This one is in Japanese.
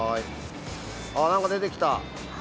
あ、なんか出てきた。